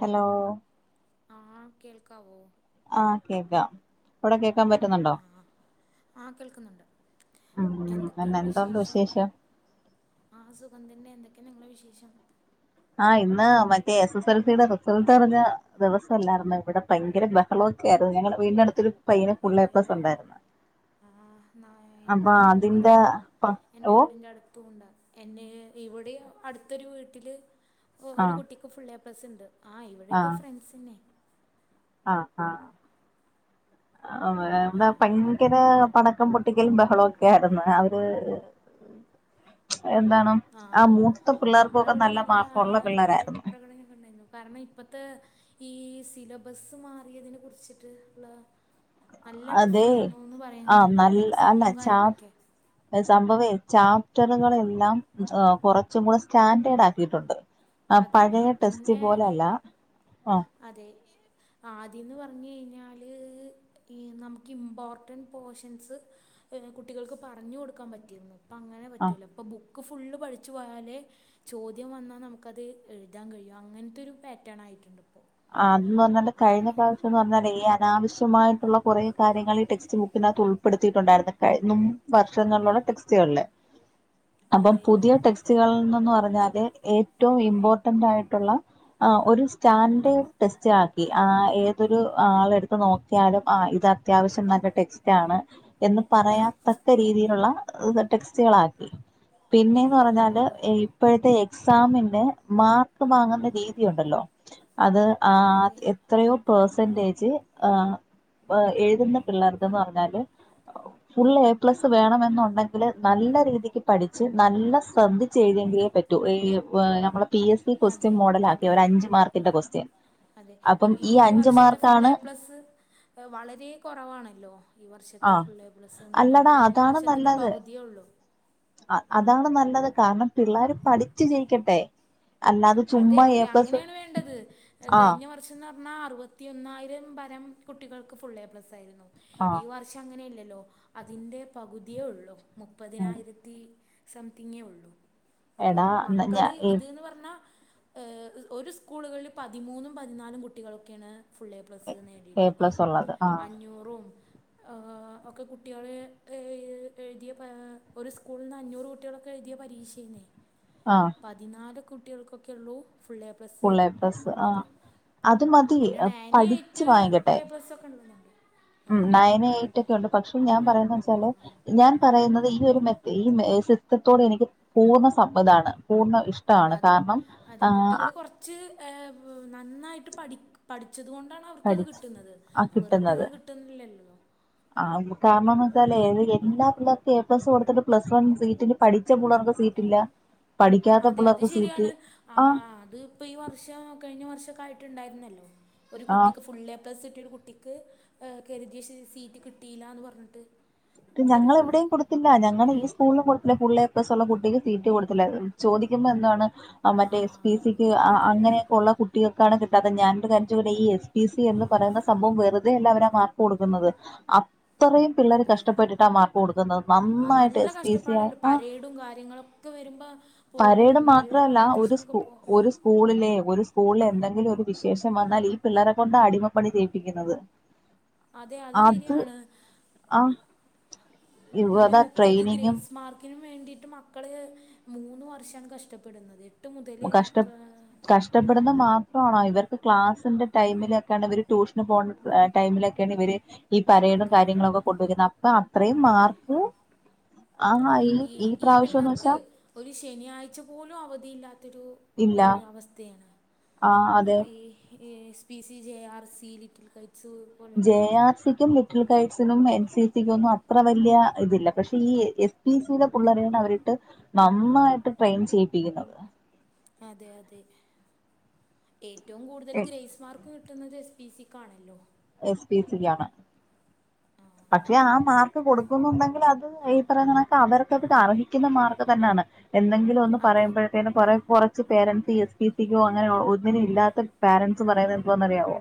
Hello ആഹ് കേൾക്കാവോ ആഹ് കേക്കാം ഇവിടെ കേക്കാൻ പറ്റുന്നുണ്ടോ ആഹ കേൾക്കുന്നുണ്ട് ഉം പിന്നെ എന്തൊക്കെയാണ് എന്തുണ്ട് വിശേഷം ആ സുഗംതന്നെ എന്തൊക്കെയാ നിങ്ങള വിശേഷം ആഹ ഇന്ന് മറ്റേ എസ് എസ് എൽ സിയുടെ റിസൾട്ട് അറിഞ്ഞ ദിവസംല്ലായിരുന്നു ഇവിടെ ഭയങ്കര ബഹളംമൊക്കെയാര്ന്ന് ഞങ്ങള വീടിന്റെടുത്തൊരു പയ്യന് ഫുൾ അതെ എപ്ലസ് ഉണ്ടായിരുന്നു ആഹ് അപ്പൊ എന്റെ അതിന്റെ ഉണ്ടായിരുന്നു പ എന്റെ ഓ വീടിന്റെ അടുത്ത് ണ്ടാ എന്നെ ഇവിടെ അടുത്തൊരു വീട്ടില് ഒരു ആഹ് കുട്ടിക്ക് ഒക്ക ഫുൾ എപ്ലസ് ഉണ്ട് ആ ഇവിടെയൊക്കെ ആഹ് ഫ്രണ്ട്സിനെ ആഹ് ആ ഇവിടെ ആഹ് ഭയങ്കര പടക്കം പൊട്ടിക്കലും ബഹളക്കെ ആയിരുന്നു അവര് എന്താ ആഹാ നമ്മള് ഇവിടെ നല്ല മാർക്കുള്ള പിള്ളേരായിരുന്നു ആഹ്ലാദപ്രകടനം ഒക്കെ ഉണ്ടായിരുന്നു കാരണം ഇപ്പത്തെ ഈ സിലബസ് മാറിയതിനെ കുറിച്ചിട്ട് ഉള്ള നല്ല ടഫ് അതെ ആയിരുന്നുന്ന് ആഹ് പറയുന്നുണ്ട് നല്ല എക്സാമും അല്ല ചാ കാര്യങ്ങളൊക്കെ സംഭവേ ചാപ്റ്ററുകളെല്ലാം കുറച്ചും കൂടെ സ്റ്റാൻഡേർഡ് ആക്കിയിട്ടുണ്ട് ആ അതെ പഴയ ടെസ്റ്റ് പിന്നെ പോലല്ല ആ അതെ ആദ്യംന്ന് പറഞ്ഞ് കഴിഞ്ഞാൽ ഈ നമുക്ക് ഇമ്പോർട്ടൻറ് പോർഷൻസ് കുട്ടികൾക്ക് പറഞ്ഞു കൊടുക്കാൻ പറ്റിരുന്നു പ്പ അങ്ങനെ ആ പറ്റൂല ഇപ്പൊ ബുക്ക് ഫുള്ള് പഠിച്ചു പോയാലേ ചോദ്യം വന്നാൽ നമുക്ക് ക്കത് എഴുതാൻ കഴിയും അങ്ങനത്ത ഒരു പാറ്റേൺ ആയിട്ടുണ്ട് ഇപ്പോൾ ആദ്ന്ന്റഞ്ഞാല് കഴിഞ്ഞ അതാണ് പ്രാവശ്യംന്ന് പറഞ്ഞാല് ഈ അനാവശ്യ ശ്യമായിട്ടുള്ള കുറേകാര്യങ്ങൾ ഈ ടെക്സ്റ്റ് ബുക്കിനകത്ത് ഉൾപ്പെടുത്തിയിട്ടുണ്ടായിരുന്ന് കഴിമുമ്പ് വർഷങ്ങളിലുള്ള ടെക്സ്റ്റുകളില് അപ്പം അതെ പുതിയ ടെക്സ്റ്റ് റ്റ്കളന്ന് പറഞ്ഞാല് ഏറ്റവും ഇമ്പോർട്ടന്റ് ആയിട്ടുള്ള ഒരു സ്റ്റാൻ ഡേഡ് ടെസ്റ്റ് ആക്കി, ആ ഏതൊരു ആള് എടുത്ത് നോക്കിയാലും ആഹ് ഇത് അത്യാവശ്യം നല്ല ടെക്സ്റ്റ് റ്റാണ് എന്ന് പറയത്തക്ക രീതിയിലുള്ള ടെക്സ്റ്റുകളാക്കി പിന്നെന്ന് ആ പറഞ്ഞാല് എ ഇപ്പോഴത്തെ എക്സാമിന് മാർക്ക് വാങ്ങുന്ന രീതിയുണ്ടല്ലോ അത് ആ അതെ എ എത്രയോ പേർസെന്റേജ് എഴുതുന്ന പിള്ളേർക്കന്ന് പറഞ്ഞാല് ഫുൾ എ പ്ലസ് വേണമെന്നുണ്ടെങ്കില് നല്ല രീതിക്ക് പഠിച്ച് നല്ല ശ്രദ്ധിച്ചെഴ്തിയെങ്കിലേ പറ്റൂ റ്റൂ. ഇ വ് നമ്മള് പി എസ് സി അതെ ക്വസ്റ്റ്യൻ മോഡൽ ആക്കി, അതെ അവരഞ്ച് മാർക്ക് ത്തിന്റെ ക്സ്റ്റ്യൻ, അപ്പം ഈ അഞ്ചു മാർക്കാണ് സ് വളരെ കുറവാണല്ലോ ഈ ആ വർഷത്തെ ഫുള്ളേപ്ളസ് എന്ന് പറഞ്ഞാ, അല്ലടാ കഴിഞ്ഞ അതാണ് വർഷത്തിൻ്റെ നല്ലത് പകുതിയേ ഒള്ളു അതാണ് നല്ലത്, കാരണം പിള്ളേര് പഠിച്ചു ജയിക്കട്ടെ അല്ലാതെ അതെ ചുമ്മാ എ അതെ പ്ലസ് അങ്ങനെയാണ് വേണ്ടത്, ആ കഴിഞ്ഞ വർ ർഷംന്നറഞ്ഞാൽ അറുപത്തി ഒന്നായിരം പരം കുട്ടികൾക്ക് ഫുള്ളെഎപ്ലസായിരുന്നു ആ ഈ വർ ഷം അങ്ങനെ ഇല്ലല്ലോ, അതിന്റെ പകുതിയേ ഉള്ളു, ഉം മുപ്പതിനായിരത്തി സംതിങ്ങേ ഉള്ളു. അപ്പോ എടാ ഞ മക്കള് ഇത് ന്നു പറഞ്ഞാ ഒരു സ്കൂളുകളിൽ പതിമൂന്നും പതിനാലും കുട്ടികളൊക്കെയാണ് ഫുള്ളേ പ്ലസ്സ് എ നേടിയിട്ടുള്ളത്, പ്ലസ് ഉള്ളത് ആ അഞ്ഞൂറും ഒക്കെ കുട്ടികള് എഴ് എഴുതിയ ഒരു സ്കൂളിൽ നിന്ന് അഞ്ഞൂറ് കുട്ടികള് ക്കെ എഴുതിയ പരീഷേന്നേ ആഹ് പതിനാല് കുട്ടികൾക്കൊക്കെ ഒള്ളൂ ഫുള്ളെപ് ഫുൾ എ പ്ലസ് ആ പ്ലസ്സ്ള്ളത്. അത് മതി പിന്നെ നയൻ, പഠിച്ചു ഏയ്റ്റ് വാങ്ങിക്കട്ടെ എപ്ലസ്സ് ഒക്കെ ഉള്ളരുണ്ട് ഉം നയൻ, എയ്റ്റ് ഒക്കെ ഉണ്ട്. പക്ഷെ ഞാൻ പറയുന്ന ആ വെച്ചാല് ഞാൻ പറയുന്നത് ഈ ഒരു മെത് ഈ സിസ്റ്റത്തോട് എനിക്ക് പൂർണ്ണ സമ്മതാണ് പൂർണ്ണ ഇഷ്ട ടാണ് കാരണം ആ ച്ച് നന്നായിട്ട് പഠിക്കു പഠിച്ചത് കൊണ്ടാണ് അവർക്കത് പഠിച്ച് കിട്ടുന്നത്, ആ വെറുതെങ്ങ് കിട്ടൊന്നില്ലല്ലോ ആഹ് കാരണംന്ന് വെച്ചാലെ ഏത് എല്ലാ പിള്ളേർക്കും എപ്ലസ് കൊടുത്തിട്ട് പ്ലസ് വൺ സീറ്റു പഠിച്ച പുള്ളേർക്ക് സീറ്റില്ല പഠിക്കാത്ത അതെ അത് പിള്ളേർക്ക് സീറ്റ് ശരിയാണ് ആ അത് ഇപ്പൊ ഈ വർഷം കഴിഞ്ഞ വർഷൊക്കെ ആയിട്ട് ഉണ്ടായിരുന്നല്ലോ ഒരു ആ കുട്ടിക്ക് ഫുള്ളേപ്ല പ്ലസ് കിട്ടിയൊരു കുട്ടിക്ക് കരുതിയ സീ സീറ്റ് കിട്ടിയില്ലാന്ന് പറഞ്ഞിട്ട് ഒരു ഞങ്ങളെവിടെയും കൊടുത്തില്ല ഞങ്ങടെ ഉണ്ടായി. ഈ സ്കൂളിൽ കൊ ഫുള്ളേ എപ്ലസ്ള്ള കുട്ടിക്ക് സീറ്റ് കൊടുത്തില്ല, ചോദിക്കുമ്പോ എന്താണ് മറ്റേ എസ് പി ആഹ് സിക്ക് അതാണ് അങ്ങനെയൊക്കെ ഒള്ള കുട്ടികൾക്കാണ് കിട്ടാത്തെ. ഞാനൊരു കാര്യം ചോയ്ക്കട്ടെ ഈ എസ് പി സി എന്ന് ആഹ് പറയുന്ന സംഭവം വെറുതെ അല്ല അവരാ മാർക്ക് കൊടുക്കുന്നത്, അത്രയും പിള്ളേര് അതെ കഷ് ഷ്ടപ്പെട്ടിട്ടാ മാർക്ക് കൊടുക്കുന്നത്, ആഹ് നന്നായിട്ട് നല്ല എസ് പി സി കഷ്ടപ്പാടുണ്ട് ആഹ് പരേഡും കാര്യങ്ങളൊക്കെ വരുമ്പോ പോകും പരേഡ് നല്ല മാത്രല്ല, ഒരു കോമ്പറ്റീഷനൊക്കെ സ്കു പോ ഒര് സ്കു സ്കൂളിലെ ഒരു സ്കൂളില് എന്തെങ്കിലും ഒരു വിശേഷം വന്നാൽ ഈ പിള്ളരെ കൊണ്ടാ അടിമപ്പണി ചെയ്യിപ്പിക്കുന്നത് അതെ അത് ശരിയാണ്. ആ ഒരു അതാ മുപ്പത് ട്രെയിനിങ്ങും ഗ്രേസ് മാർക്ക് ക്കിന് വേണ്ടിയിട്ട് മക്കള് മൂന്ന് വർഷാണ് കഷ്ടപ്പെടുന്നത് മുതല് കഷ്ട ഏ, കഷ്ട ഷ്ടപ്പെടുന്ന മാത്രമാണോ ഇവർക്ക് ക്ലാസിന്റെ ടൈമിലൊക്കെയാണ് ഇവര് ട്യൂഷന് പോണ ടൈമിലൊക്കെയാണ് ഇവര് ഈ പരേഡും അതെ കാര്യങ്ങളും ഒക്കെ കൊണ്ട് വയ്ക്കുന്ന അപ്പ അത്രയും അതെ മാർക്ക് ആഹാ ഈ ഈ പ്രാവശ്യംന്ന് വെച്ചാ ഒരു ശനിയാഴ്ച പോലും അവധിയില്ലാത്തൊരു ഇല്ല ഏഹ് അവസ്ഥയാണ് ആ അതെ ഈ ഈ S P C J R C little kites J പോലെയുള്ളത് ആർ സി ക്കും ലി കൈറ്റ്സിനും എൻ സി സിക്കും ഒന്നും അത്ര വലിയ ഇതില്ല പക്ഷെ ഈ എസ് പി സി യിലെ പുള്ളരെയാണ് അവരിട്ട് നന്നായിട്ട് ട്രെയിൻ ചെയ്യിപ്പിക്കുന്നത് അതെ അതെ ഏറ്റവും കൂടുതല് ഗ്രേസ് മാർക്ക് കി ട്ടുന്നത് എസ് പി സി ക്കാണല്ലോ എസ് പി സി ക്കാണ് ആഹ് പക്ഷെ ആ മാർക്ക് കൊടുക്കുന്നുണ്ടെങ്കിൽ അത് ഈ പറയുന്നണക്ക അവർക്ക് അത് അർഹിക്കുന്ന മാർക്ക് തന്നാണ് എന്തെങ്കിലും ഒന്ന് അതെ പറയുമ്പോഴ് തെന് കൊറെ കൊറച്ച് പേരൻറ്സ് ഈ എസ് പി സിക്കോ അങ്ങനെ ഒന്നിനും ഇല്ലാത്ത പോരൻറ്സ് പറയുന്നത് എന്തുവന്ന് അറിയമോ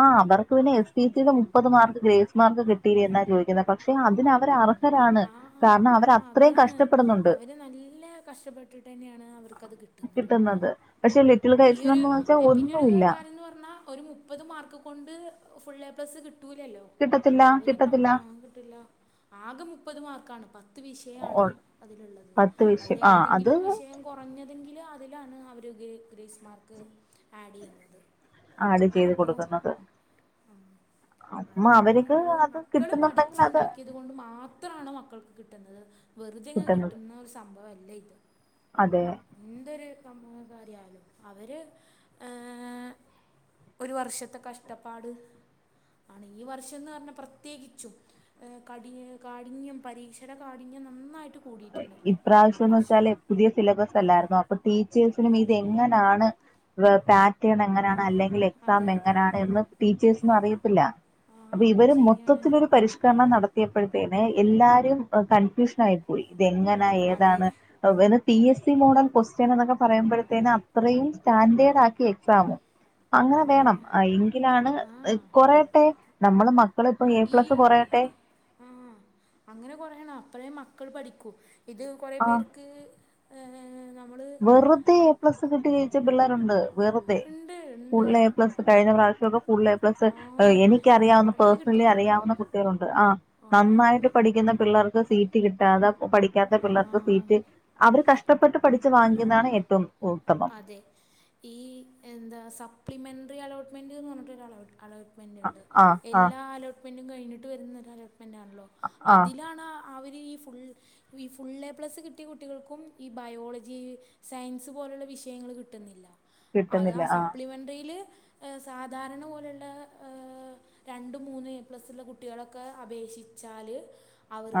ആഹ് അവർക്ക് പിന്നെ എസ് പി സിയുടെ മുപ്പത് മാർക്ക് ഗ്രേസ് മാർക്ക് കിട്ട ട്ടിലെ എന്നാ ചോദിക്കുന്നത് പക്ഷെ അതിന് അവർ അർ ആഹ് ആ അതാണ് കഷ്ടപ്പെടുന്നുണ്ട് അവര് നല്ല കഷ്ടപ്പെട്ടിട്ട് തന്നെയാണ് അവർക്ക് അത് കിട്ടുന്നത് പക്ഷെല് ഈയൊരു പിന്നെരു കാര്യംന്ന് പറഞ്ഞാ ഒരു മുപ്പത് മാർക്ക് കൊണ്ട് ഫുൾ എ പ്ലസ്സ് കിട്ടൂല്ലല്ലോ കിട്ടത്തില്ല അവരിപ്പ കിട്ടത്തില്ല ആഹ് കിട്ടില്ല ആകെ മുപ്പത് മാർക്കാണ് പത്ത് വിഷയാണ് ഓൾ അതിലുള്ളത് പത്ത് അതിൽ വിഷയം ആ അത് ഏതെങ്കിലും വിഷ ക്ഷയം കൊറഞ്ഞതെങ്കിൽ അതിലാണ് അവർ ഗേ ഗ്രേസ് മാർക്ക് ആഡ് ചെയ്യുന്നത് ആഡ് ചെയ്ത് അപ്പോൾ കൊടുക്കുന്നത് അമ്മ അതാണ് അവർക്ക് പറയുന്നത് അത് മക്കള് കിട്ടുന്നുണ്ടെങ്കിൽ അത് പഠിച്ചുണ്ടാക്കി അതുകൊണ്ട് മാത്രാണ് മക്കൾക്ക് കിട്ടുന്നത് വെറുതെങ്ങ് കിട്ടുന്നത് കിട്ടുന്ന ഒരു സംഭവം അല്ല ഇത് അതെ എന്തൊരു സമൂഹകാരി ആയാലും അവര് ഒരു വർഷത്തെ കഷ്ടപ്പാട് ആണ് ഈ വർഷംന്ന് പറഞ്ഞാ പ്രത്യേകിച്ചും കടി കാഠിന്യം പരീക്ഷയുടെ കാഠിന്യം നന്നായിട്ട് കൂടിയിട്ടുണ്ടല്ലോ ഈ ഇപ്രാവശ്യംന്ന് വർഷം വെച്ചാല് പുതിയ സിലബസ് അല്ലായിരുന്നു അപ്പൊ ടീച്ചേഴ്സിനും ഇത് എങ്ങനാണ് സാ റ്റേൺ ആ എങ്ങനാണ് അല്ലെങ്കിൽ എക്സാം അതെ അതെ എങ്ങനാണ് എന്ന് ടീച്ചേഴ്സിനും അറിയത്തില്ല ആ അപ്പൊ ഇവര് ശരിയാണ് മൊത്തത്തിൽ ഒരു പരിഷ്കരണം നട ത്തിയപ്പോഴത്തേന് എല്ലാരും കൺഫ്യൂഷൻ ആയി പോയി ഇതാ എങ്ങനാ അതെ ഏതാണ് ത് P S C model question എന്നൊക്കെ പറയുമ്പോഴത്തേനും അത്രയും സ്റ്റാൻഡേർഡ് ആക്കി എക്സാമ് അങ്ങനെ അതെ വേണം എങ്കിലാണ് ആ കൊറയട്ടെ നമ്മള് മക്കള് ഇപ്പ എ പ്ലസ് കൊറയട്ടെ ആഹ് അങ്ങനെ കൊറയാണം അപ്പഴേ മക്കൾ പഠിക്കൂ ഇത് കൊറെ ആ പേർക്ക് നമ്മള് വെറുതെ എ പ്ലസ് കിട്ടി ജയിച്ച പിള്ളേരുണ്ട് വെറുതെ ഉണ്ട് ഫുൾ ഉണ്ട് എ പ്ലസ്സ് കഴിഞ്ഞ പ്രാവശ്യമൊക്കെ ഫു എ പ്ലസ് ആ എനി ക്ക് അറിയാവുന്ന കുറേ പേഴ്സണലി കിട്ടിയിട്ടുണ്ട് അറിയാവുന്ന കുട്ടികളുണ്ട് ആ നന്നായിട്ട് പഠിക്കുന്ന പിള്ളേർക്ക് സീറ്റ് കിട്ടാതെ പഠിക്കാത്ത പിള്ളർക്ക് സീറ്റ് ആ അവർ കഷ്ടപ്പെട്ട് പഠി ച്ച് വാങ്ങിക്കുന്നതാണ് എട്ടും അതെ ഈ എന്താ സപ്ലിമെന്ററി അലോട്ട്മെന്റ് എന്ന് പറഞ്ഞിട്ട് ഒരു അലോട്ട് മെന്റുണ്ട് ആ ആ എല്ലാ അലോട്ട്മെന്റും കഴിഞ്ഞിട്ട് വരുന്ന അലോട്ട്മെന്റാണല്ലോ ആ അതിലാണ് അ അവര് ഈ ഫുൾ ഈ ഫുൾ എ പ്ലസ്സ് കിട്ടിയ കുട്ടികൾക്കും ഈ ബയോളജി സയൻസ് പോലുള്ള വിഷയങ്ങള് കിട്ടുന്നില്ല അത കിട്ടുന്നില്ല ആ സപ്ലിമെന്ററിയില് സാധാരണ പോലെ ുള്ള രണ്ട് മൂന്ന് എ പ്ലസ് ഉള്ള കുട്ടികളൊക്കെ അപേക്ഷിച്ചാല്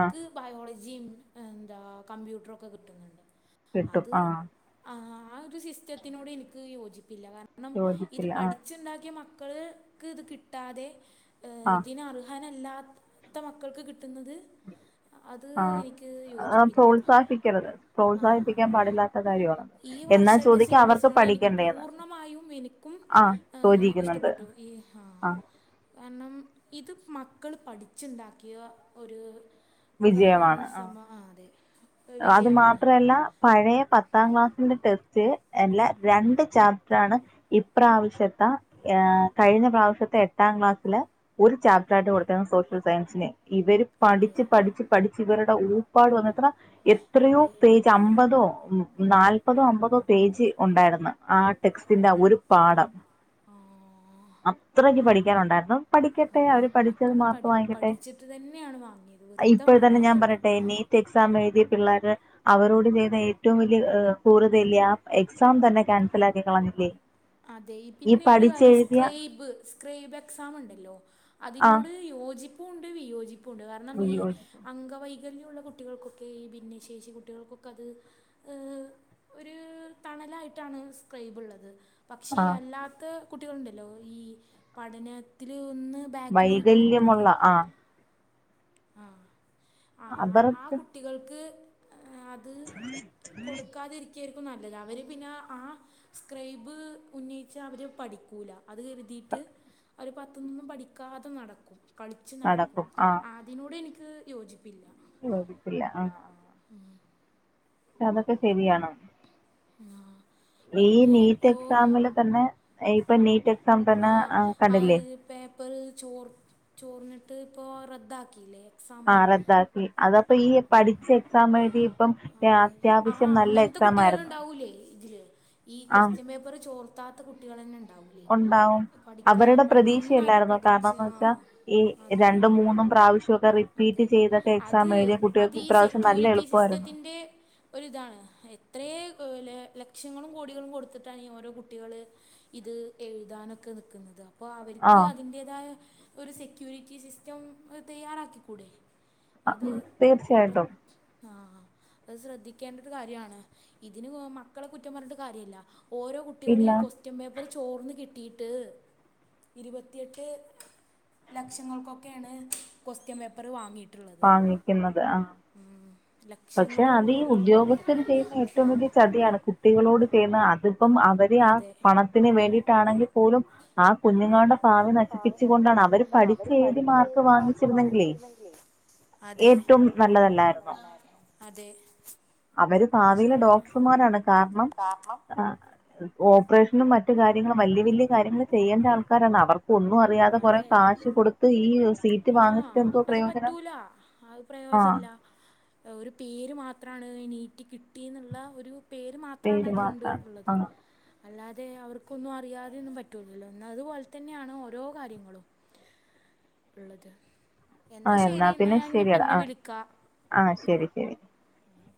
ആ ബയോളജിയും എന്താ കമ്പ്യൂട്ടറൊക്കെ കിട്ടുന്നുണ്ട് കിട്ടും അത് ആ ആഹ് ആ ഒരു സിസ്റ്റത്തിനോട് എനിക്ക് യോജിപ്പില്ല കാര ണം ഇത് യോജിപ്പില്ല ആ പഠിച്ചുണ്ടാക്കിയ മക്കൾക്ക് ഇത് കിട്ടാതെ ആ ഇതിന് അർഹാനല്ലാത്ത മക്കൾക്ക് കിട്ടുന്നത് [inaudible] അത് ആ എനിക്ക് ആ യോജിപ്പില്ല പ്രോത്സാഹിപ്പിക്കരുത് ആ പ്രോത്സാഹിപ്പിക്കാൻ പാടില്ലാത്ത കാര്യമാണത് ഈ വർക്ക് എന്നാ ക്ഷത്തെ ചോദിക്കാ അവർക്ക് സിലബസിനോട് എനിക്ക് പഠിക്കണ്ടേന്ന് പൂർണ്ണമായും എനിക്കും ആഹ് ഏ യോജിക്കുന്നുണ്ട് ഇഷ്ടപ്പെട്ടു ഈ ആഹ് കാരണം ഇത് മക്കള് പഠിച്ചുണ്ടാക്കിയ ഒരു വിജയമാണ് ആഹ് സമ ആ അതെ അത് വിജയമാണ് മാത്രല്ല പഴയ പത്താം ക്ലാസ്സിന്റെ ടെസ്റ്റ് എല്ല രണ്ട് ചാപ്റ്റർ ആണ് ഇപ്രാവശ്യത്തെ ഏ കഴിഞ്ഞ പ്രാവശ്യത്തെ എട്ടാം ക്ലാസ്സില് ഒരു ചാപ്റ്റർ ആയിട്ട് കൊടുത്തേക്കുന്ന സോഷ്യൽ സയൻസിന് ഇവര് അതെ പഠിച്ച് പഠിച്ച് പഠിച്ച് ഇവരുടെ ഊപ്പാട് വന്നിത്ര എത്രയോ അതെ പേജ അമ്പതോ നാല്പതോ അമ്പതോ പേജ് ഉണ്ടായിരുന്നു ആ ടെക്സ്റ്റിന്റെ ഒരു പാഠം ആഹ് അത്രക്ക് പഠിക്കാനുണ്ടായിരുന്നു പഠിക്കട്ടെ അവര് പഠിച്ചത് മാർക്ക്‌ വാങ്ങിക്കട്ടെ. ഇതു തന്നെയാണ് വാങ്ങിയെ ഇപ്പോ ഴ് തന്നെ ഞാൻ പറയട്ടെ എ നീറ്റ് എക്സാം എഴുതി പിള്ളേർ അവരോട് ചെയ്യുന്ന ഏറ്റവും വലിയ ക്രൂരത അല്ലെ ആ എക്സാം തന്നെ ക്യാൻസൽ ആക്കി കളഞ്ഞില്ലേ അതെ ഈ പിന്നെ ഒരു കാര്യം പഠിച്ചെഴുതിയ സ്ക്രൈബ് സ്ക്രൈബ് എക്സാം ഉണ്ടല്ലോ ആ അതിനോട് യോജിപ്പും ഉണ്ട് വിയോജിപ്പും ഉണ്ട്. കാരണം ഈ അയ്യോ അംഗവൈകല്യമുള്ള കുട്ടികൾക്കൊക്കെ ഈ ഭിന്നശേഷി കുട്ടികൾക്കൊക്കെ അത് ഏഹ് ഒരു തണലായിട്ടാണ് സ്ക്രൈബ് ഉള്ളത് പക്ഷേ ആ ഈ അല്ലാത്ത കുട്ടികളുണ്ടല്ലോ ഈ പഠനത്തിൽ ഒന്ന് ബാക്കില് നിക്കുന്ന കുട്ടികള് വൈകല്യമുള്ള ആ ആഹ് ആ ആ അവർക്ക് കുട്ടികൾക്ക് അത് കൊടുക്കാതിരിക്കയായിരിക്കും നല്ലത് അവര് പിന്നെ ആ സ്ക്രൈബ് ഉന്നയിച്ച അവര് പഠിക്കൂല അത് കരുതിയിട്ട് അവര് പത്ത്ലൊന്നും പഠിക്കാതെ നടക്കും. കളിച്ച് നടക്കും അതിനോട് എനിക്ക് യോജിപ്പില്ല യോജിപ്പില്ല ആഹ് [inaudible] അതൊക്കെ ശരിയാണോ? ആഹ് ഈ നീറ്റ് എക്സാമില് തന്നെ ഇപ്പൊ നീറ്റ് എക്സാം തന്നെ ആഹ് കണ്ടില്ലേ പേപ്പറ് ചോർ ചോറിന്നിട്ട് ഇപ്പോ റദ്ദാക്കിയില്ലേ ആ എക്സാം റദ്ദാക്കി അതപ്പൊ ഈ പഠിച്ച എക്സാം എഴുതി ഇപ്പം അത്യാവശ്യം നല്ല ത്തെ എക്സാം കുട്ടികള ആയിരുന്നു ഉണ്ടാവൂലേ ഇതില് ഈ ആ കൊസ്റ്റ്യൻ പേപ്പർ ചോർത്താത്ത കുട്ടികൾ തന്നെ ഉണ്ടാവും ഉണ്ടാവും പഠിക്കാ അവരുടെ നന്നായിട്ട് പ്രതീക്ഷയല്ലായിരുന്നോ പഠിച്ച് കാരണംന്ന് വെച്ചാ ഈ ആഹ് അതെ രണ്ടും മൂന്നും പ്രാവശ്യമൊക്കെ റിപ്പീറ്റ് അതെ ചെയ്തൊക്കെ അത് എക്സാം എഴുതിയ അത് കുട്ടികൾക്ക് ഈ ഇപ്രാവശ്യം നല്ല സെക്യൂരിറ്റി എളുപ്പമായിരുന്നു സിസ്റ്റത്തിന്റെ ഒരിതാണ് എത്രയെ ലക്ഷങ്ങളും കോടികളും കൊടുത്തിട്ടാണ് ഓരോ കുട്ടികള് ഇത് എഴുതാനൊക്കെ നിക്കുന്നതാകും അപ്പോ അവർക്ക് ആഹ് അതിന്റെതായ ഒരു സെക്യൂരിറ്റി സിസ്റ്റം തയ്യാറാക്കിക്കൂടെ. തീർച്ചയായിട്ടും ആഹ് ആ അത് ശ്രദ്ധിക്കേണ്ട ഒരു കാര്യണ് ഇതിന് മക്കളെ കുറ്റം പറഞ്ഞിട്ട് കാര്യല്ല ഓരോ കുട്ടികള് ഇല്ല ഈ ക്വസ്റ്റ്യൻ പേപ്പറ് ചോർന്ന് കിട്ടീട്ട് ഇരുപത്തിയെട്ട് ലക്ഷങ്ങൾക്കൊക്കെണ് ക്വസ്റ്റ്യൻ പേപ്പറ് വാങ്ങി വാങ്ങിക്ന്നത് ആഹ് ഉം പക്ഷെ ലക്ഷങ്ങളും അത് ഈ കോടികളൊക്കെ കൊടുത്തിട്ട് ഉദ്യോഗസ്ഥര് ചെയ്യുന്ന ഏറ്റവും വലിയ ചതിയാണ് കുട്ടികളോട് ചെയ്യുന്ന അത്പ്പം അ അവര് ആ അതെ പണത്തിന് വേണ്ടിട്ടാണെങ്കിൽ പോലും ആഹ് കുഞ്ഞുങ്ങളുടെ ഭാവി നശിപ്പിച് നശിപ്പിച്ച് കൊണ്ടാണ് അവര് പഠിച്ച് എഴുതി മാർക്ക് വാങ്ങിച്ചിരുന്നെങ്കിലേ വാങ്ങിച്ചിരുന്നങ്കില് അതെ ഏറ്റവും നല്ലതല്ലായിരുന്നോ? അതെ അവര് അത് ഭാവിയിലെ ശരിയാണ് ഡോക്ടർമാരാണ് കാരണം അ ഓപ്പറേഷനും മറ്റു കാര്യങ്ങളും വല്ല്യേ വല്ല്യേ കാര്യങ്ങൾ ചെയ്യേണ്ട ആൾക്കാരാണ് അവർ ഒന്നും അറിയാതെ കുറെ അതെ കാശ് കൊടുത്ത് ഈ ഒസ് ആഹ് അത് പറ്റൂല അത് ആ പ്രയോജല്ല ഒരു പേര് മാത്രാണ് നീറ്റി കിട്ടിന്ന്ള്ള ഒരു പേര് മാത്രാണ് പേര് അതുകൊണ്ട് മാത്രാണ് ആ ഇള്ളത് അല്ലാതെ അവർക്കൊന്നും അറിയാതെന്നും പറ്റൂല്ലല്ലോ അതുപോലെ തന്നെണ് ഓരോ കാര്യങ്ങളും ഇള്ളത് ആ എന്നാ ശരി എന്നാ ഞാൻ പിന്നെ വിളിക്കാ ആഹ് ശെരിക്ക് ആഹ്